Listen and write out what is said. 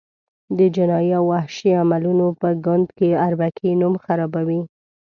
د جنایي او وحشي عملونو په ګند کې اربکي نوم خرابوي.